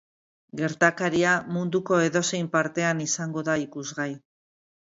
Gertakaria munduko edozein partean izango da ikusgai.